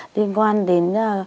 liên quan đến